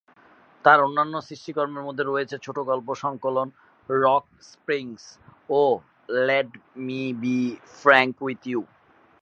তার অন্যান্য সৃষ্টিকর্মের মধ্যে রয়েছে ছোটগল্প সংকলন "রক স্প্রিংস" ও "let me be frank with you".